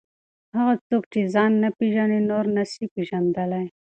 هغه څوک چې ځان نه پېژني نور نسي پېژندلی.